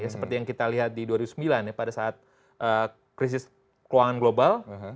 seperti yang kita lihat di dua ribu sembilan ya pada saat krisis keuangan global